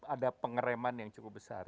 ada pengereman yang cukup besar